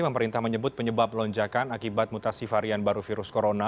pemerintah menyebut penyebab lonjakan akibat mutasi varian baru virus corona